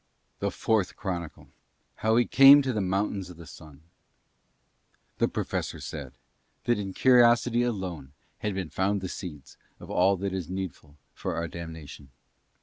THE FOURTH CHRONICLE HOW HE CAME TO THE MOUNTAINS OF THE SUN The Professor said that in curiosity alone had been found the seeds of all that is needful for our damnation.